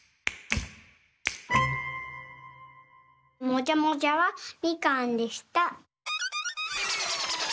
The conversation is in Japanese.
もじゃもじゃはみかんでした。